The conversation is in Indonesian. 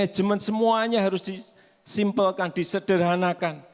manajemen semuanya harus disimpelkan disederhanakan